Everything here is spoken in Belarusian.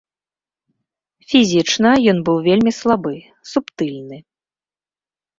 Фізічна ён быў вельмі слабы, субтыльны.